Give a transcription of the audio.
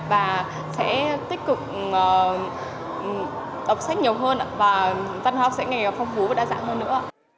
và sẽ tiếp tục đọc sách nhiều hơn và văn hóa sẽ ngày càng phong phú và đa dạng hơn nữa